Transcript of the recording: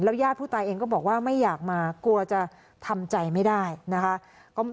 ญาติผู้ตายเองก็บอกว่าไม่อยากมากลัวจะทำใจไม่ได้นะคะ